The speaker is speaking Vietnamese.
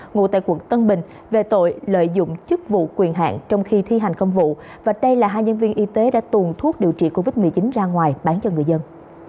ngụ tại quận tân bình về tội lợi dụng chức vụ quyền hạn trong khi thi hành công vụ và đây là hai nhân viên y tế đã tuồn thuốc điều trị covid một mươi chín ra ngoài bán cho người dân